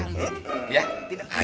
ya tidak boleh